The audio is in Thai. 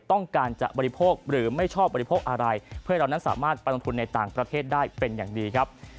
ต้องการจะบริโภคหรือไม่ชอบบริโภคอะไรเพื่อให้เรานั้นสามารถไปลงทุนในต่างประเทศได้เป็นอย่างดีครับ